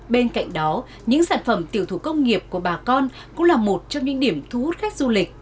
bên cạnh đó những sản phẩm tiểu thủ công nghiệp của bà con cũng là một trong những điểm thu hút khách du lịch